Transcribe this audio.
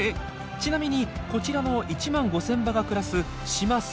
ちなみにこちらの１万５，０００羽が暮らす島最大の繁殖地。